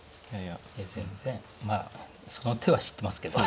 全然まあその手は知ってますけど。